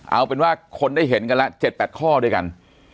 เอาเป็นว่าคนได้เห็นกันละ๗๘ข้อด้วยกัน